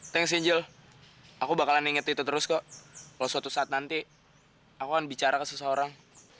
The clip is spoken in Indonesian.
thanks angel aku bakalan inget itu terus kok kalau suatu saat nanti aku akan bicara ke seseorang